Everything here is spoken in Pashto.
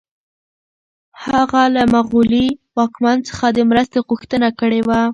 هغه له مغلي واکمن څخه د مرستې غوښتنه کړې وه.